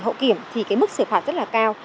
hậu kiểm thì cái mức xử phạt rất là cao